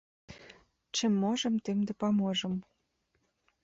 Чым можам, тым дапаможам.